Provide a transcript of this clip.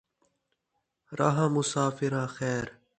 راہ مسافراں خیر